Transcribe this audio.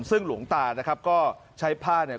ซึ่งหลวงตานะครับก็ใช้ผ้าเนี่ย